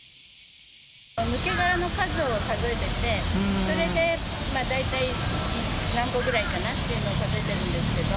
抜け殻の数を数えてて、それで大体何個ぐらいかなっていうのを数えてるんですけど。